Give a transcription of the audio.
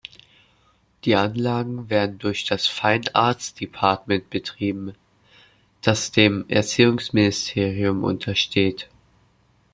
Die Anlagen werden durch das "Fine Arts Department" betrieben, das dem Erziehungsministerium untersteht.